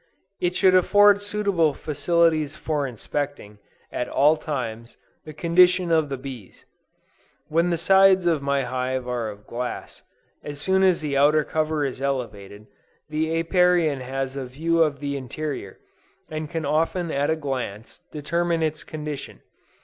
It should afford suitable facilities for inspecting, at all times, the condition of the bees. When the sides of my hive are of glass, as soon as the outer cover is elevated, the Apiarian has a view of the interior, and can often at a glance, determine its condition.